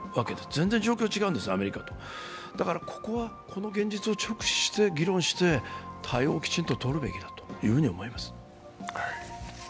全然状況違うんです、アメリカと、だから、ここはこの現実を直視して議論して、対応をきちっととるべきだと思います。